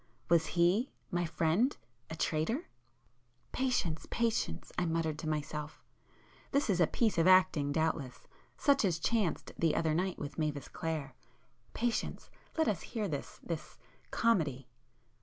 Was he—my friend—a traitor? "Patience——patience!——" I muttered to myself—"This is a piece of acting doubtless——such as chanced the other night with Mavis Clare!——patience!——let us hear this——this comedy!"